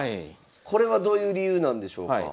これはどういう理由なんでしょうか？